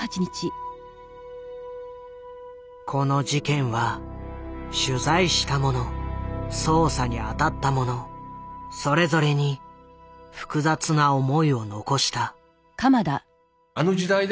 この事件は取材した者捜査に当たった者それぞれに複雑な思いを残した。